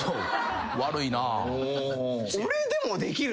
悪いなぁ。